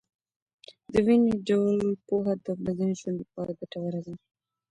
دویني ډول پوهه د ورځني ژوند لپاره ګټوره ده.